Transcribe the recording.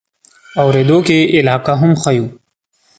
اورېدو کې یې علاقه هم ښیو.